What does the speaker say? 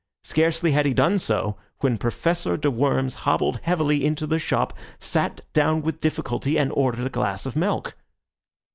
Scarcely had he done so, when Professor de Worms hobbled heavily into the shop, sat down with difficulty and ordered a glass of milk.